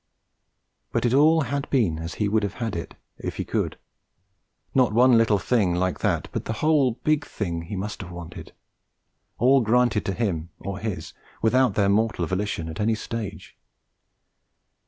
But it all had been as he would have had it if he could: not one little thing like that, but the whole big thing he must have wanted: all granted to him or his without their mortal volition at any stage.